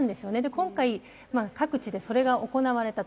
今回、各地でそれが行われたと。